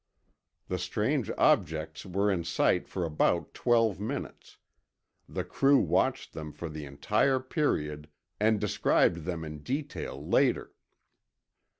The strange objects were in sight for about twelve minutes; the crew watched them for the entire period and described them in detail later.